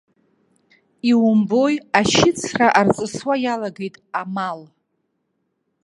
Иумбои, ашьыцра арҵысуа иалагеит амал.